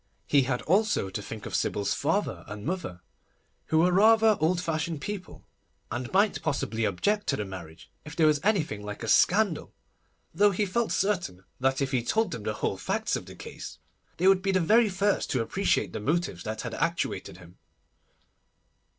He had also to think of Sybil's father and mother, who were rather old fashioned people, and might possibly object to the marriage if there was anything like a scandal, though he felt certain that if he told them the whole facts of the case they would be the very first to appreciate the motives that had actuated him.